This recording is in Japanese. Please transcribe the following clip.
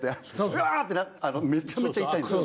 うわ！ってめちゃめちゃ痛いんです。